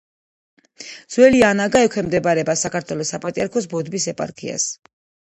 ძველი ანაგა ექვემდებარება საქართველოს საპატრიარქოს ბოდბის ეპარქიას.